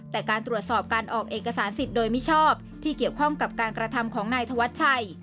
แต่การตรวจสอบการออกเอกสารสิทธิ์โดยมิชอบที่เกี่ยวข้องกับการกระทำของนายธวัชชัย